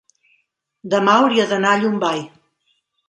Demà hauria d'anar a Llombai.